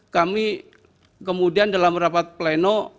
kami kemudian dalam rapat pleno